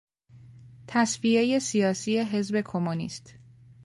تصفیهی سیاسی حزب کمونیست